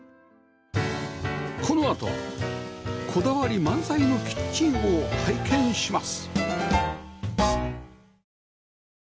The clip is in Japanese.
このあとはこだわり満載のキッチンを拝見します